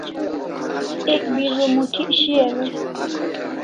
Ek bribo moth'ik shiau